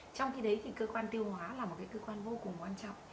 trong khi đấy thì cơ quan tiêu hóa là một cơ quan vô cùng quan trọng